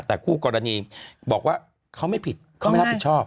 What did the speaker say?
แต่คู่กรณีบอกว่าเขาไม่ผิดเขาไม่รับผิดชอบ